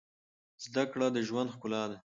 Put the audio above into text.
زده کړه د ژوند ښکلا ده.